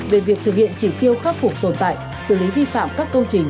về việc thực hiện chỉ tiêu khắc phục tồn tại xử lý vi phạm các công trình